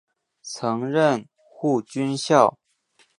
曾任护军校。